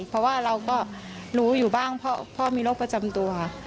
เพราะว่าเราก็รู้อยู่บ้างพ่อมีโรคประจำตัว